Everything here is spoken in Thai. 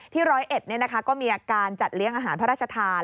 ที่ร้อยเอ็ดก็มีการจัดเลี้ยงอาหารพระราชทาน